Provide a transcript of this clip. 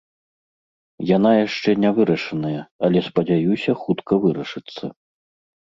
Яна яшчэ не вырашаная, але спадзяюся хутка вырашыцца.